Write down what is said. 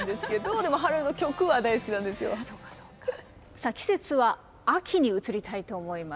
さあ季節は秋に移りたいと思います。